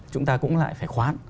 chúng ta cũng lại phải khoán